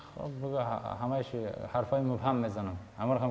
karena saya sudah memahami